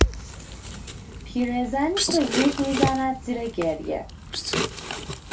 پیرزنی که زود میزند زیر گریه